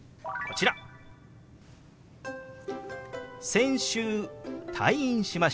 「先週退院しました」。